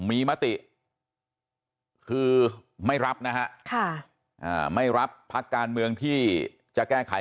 มีมติคือไม่รับนะฮะไม่รับพักการเมืองที่จะแก้ไข